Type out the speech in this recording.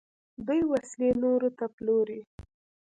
دوی وسلې نورو ته پلوري.